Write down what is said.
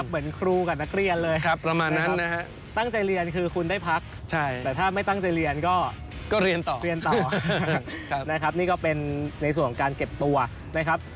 เปลี่ยนต่อนะครับนี่ก็เป็นในส่วนของการเก็บตัวนะครับ